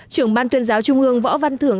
trưởng ban tuyên giáo trung ương võ văn thưởng